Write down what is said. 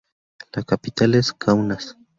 La capital es Kaunas.